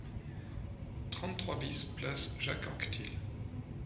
trente-trois BIS place Jacques Anquetil